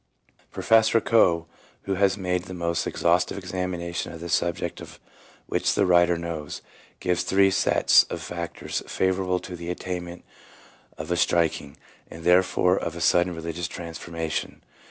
Professor Coe, who has made the most exhaustive examination of this subject of which the writer knows, 1 gives three sets of factors favourable to the attainment of a striking, and therefore of a sudden, religious transformation.